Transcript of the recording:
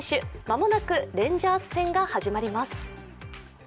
間もなく、レンジャーズ戦が始まります。